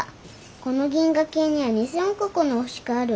この銀河系には２，０００億個の星がある。